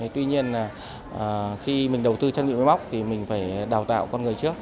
tuy nhiên là khi mình đầu tư trang bị máy móc thì mình phải đào tạo con người trước